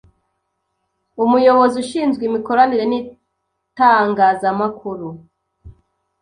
Umuyobozi ushinzwe imikoranire n’itangazamakuru